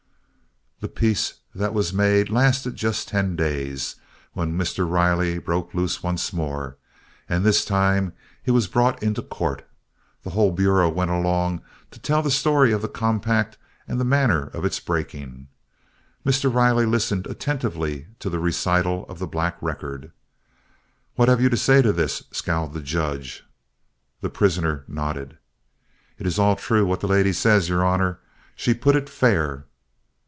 The peace that was made lasted just ten days, when Mr. Riley broke loose once more, and this time he was brought into court. The whole Bureau went along to tell the story of the compact and the manner of its breaking. Mr. Riley listened attentively to the recital of the black record. "What have you to say to this?" scowled the Judge. The prisoner nodded. "It is all true what the lady says, your Honor; she put it fair."